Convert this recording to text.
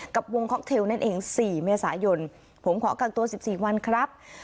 กับวงค็อกเทลนั่นเอง๔เมษายนผมขอกันตัว๑๔วันครับ